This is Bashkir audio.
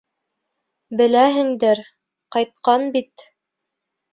Беләһеңдер: ҡайтҡан бит!..